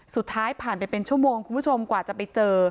สุดท้ายผ่านไปเป็นชั่วโมงคุณผู้ชมกว่าจะไปเจอ